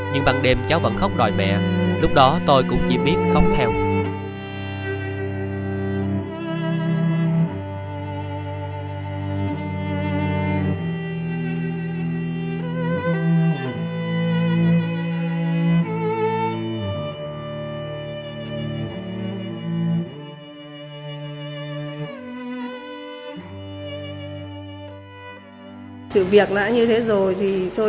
nhưng bằng đêm cháu vẫn khóc đòi mẹ lúc đó tôi cũng chỉ biết khóc theo